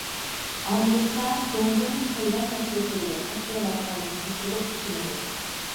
ئامېرىكا جۇڭگونىڭ تەيۋەن مەسىلىسىگە دىققەت قىلىۋاتقانلىقىنى تولۇق چۈشىنىدۇ.